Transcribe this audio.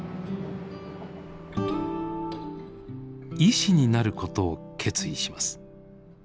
医師になることを決意します。